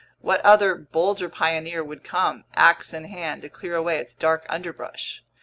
What other, bolder pioneer would come, ax in hand, to clear away its dark underbrush?